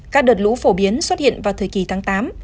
các đợt lũ phổ biến xuất hiện vào thời kỳ tháng tám